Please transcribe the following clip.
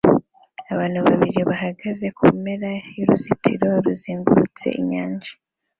Abantu babiri bahagaze kumpera yuruzitiro ruzengurutse inyanja